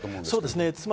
そうですね。